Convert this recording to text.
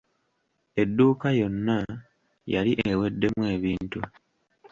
Edduuka yonna yali eweddemu ebintu.